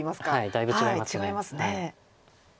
だいぶ違います。